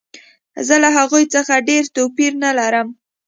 زه له هغوی څخه ډېر توپیر نه لرم